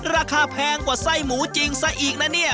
แพงกว่าไส้หมูจริงซะอีกนะเนี่ย